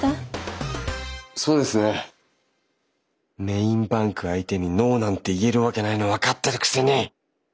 メインバンク相手に「ノー」なんて言えるわけないの分かってるくせに！